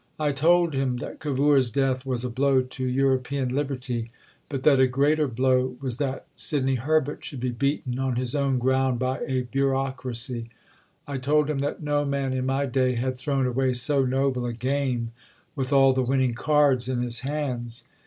I told him that Cavour's death was a blow to European liberty, but that a greater blow was that Sidney Herbert should be beaten on his own ground by a bureaucracy. I told him that no man in my day had thrown away so noble a game with all the winning cards in his hands.